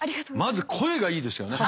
まず声がいいですよね。